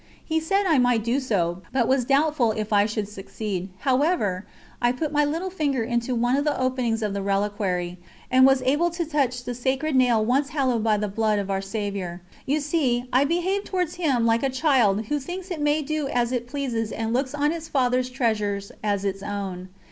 He said I might do so, but was doubtful if I should succeed; however, I put my little finger into one of the openings of the reliquary and was able to touch the Sacred Nail once hallowed by the Blood of Our Saviour. You see I behaved towards Him like a child who thinks it may do as it pleases and looks on its Father's treasures as its own.